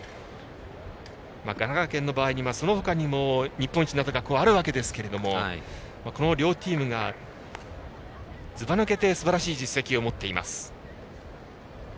神奈川県の場合、そのほかにも日本一になった学校があるわけですがこの両チームがずばぬけてすばらしい実績を持っています。